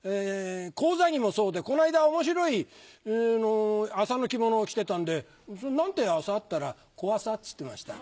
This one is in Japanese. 高座にもそうでこの間面白い麻の着物を着てたんで「それ何て麻？」って言ったら「小アサ」っつってました。